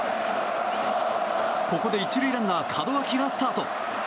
ここで、１塁ランナー門脇がスタート。